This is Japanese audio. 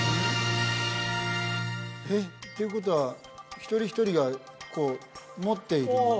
ということは一人一人がこう持っている？